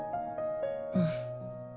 うん。